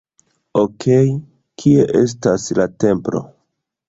Okej, kie estas la templo?